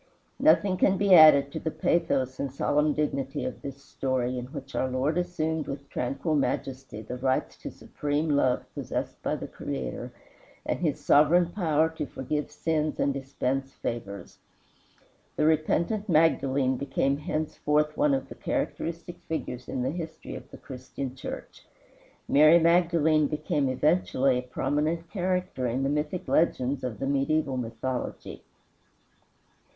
Nothing can be added to the pathos and solemn dignity of this story, in which our Lord assumed with tranquil majesty the rights to supreme love possessed by the Creator, and his sovereign power to forgive sins and dispense favors. The repentant Magdalene became henceforth one of the characteristic figures in the history of the Christian Church. Mary Magdalene became eventually a prominent character in the mythic legends of the mediæval mythology.